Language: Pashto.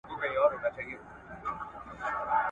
پکښي پراته دي په زړو ویشتلي !.